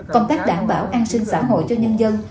công tác đảm bảo an sinh xã hội cho nhân dân